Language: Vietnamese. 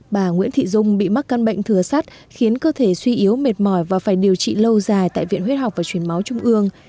bà nguyễn thị dung bị mắc căn bệnh thừa sắt khiến cơ thể suy yếu mệt mỏi và phải điều trị lâu dài tại viện huyết học và chuyển máu trung ương